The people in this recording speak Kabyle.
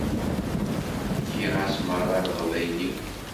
Ḥkiɣ-as merra leɣbayen-iw.